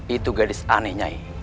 itu gadis anehnya